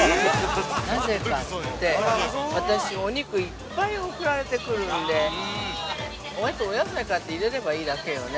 なぜかって、私、お肉いっぱい送られてくるんで、あと、お野菜買って入れればいいだけよね。